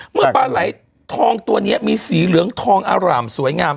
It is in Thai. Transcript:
เมื่อปลาไหลทองตัวนี้มีสีเหลืองทองอร่ามสวยงาม